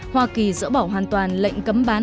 hoa kỳ dỡ bỏ hoàn toàn lệnh cấm bán